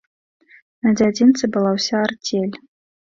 На дзядзінцы была ўся арцель.